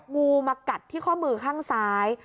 งูมากัดที่ข้อมือข้างซ้าย